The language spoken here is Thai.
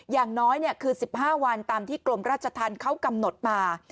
อย่างน้อยคือ๑๕วันตามที่กรมราชธรรมเขากำหนดมา